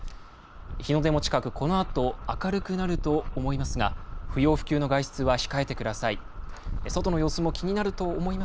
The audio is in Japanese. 日の出も近く、このあと明るくなると思いますが、不要不急の外出は控えてください。